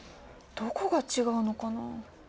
どこが違うのかな？